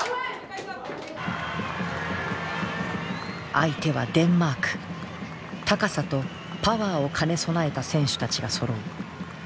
相手は高さとパワーを兼ね備えた選手たちがそろう。